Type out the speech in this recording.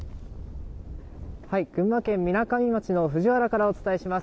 群馬県みなかみ町の藤原からお伝えします。